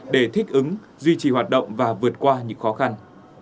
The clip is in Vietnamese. để thích ứng duy trì hoạt động và vượt qua những khó khăn